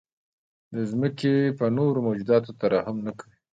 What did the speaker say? د ځمکې په نورو موجوداتو ترحم نه کوئ.